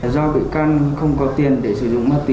do vị can không có tiền để sử dụng mát tí